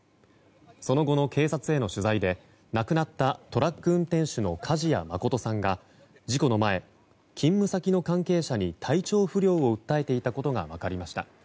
その後の警察への取材で亡くなったトラック運転手の梶谷誠さんが事故の前、勤務先の関係者に体調不良を訴えていたことが分かりました。